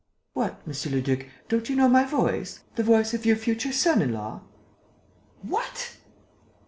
"What, monsieur le duc, don't you know my voice? The voice of your future son in law?" "What!"